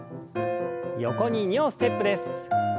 横に２歩ステップです。